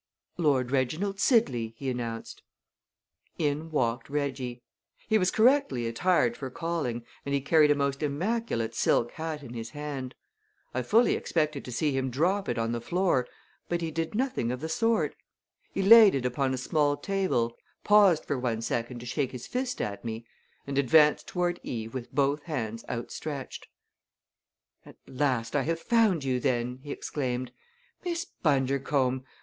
"Lord Reginald Sidley!" he announced. In walked Reggie. He was correctly attired for calling and he carried a most immaculate silk hat in his hand. I fully expected to see him drop it on the floor, but he did nothing of the sort. He laid it upon a small table, paused for one second to shake his fist at me, and advanced toward Eve with both hands outstretched. "At last I have found you, then!" he exclaimed. "Miss Bundercombe!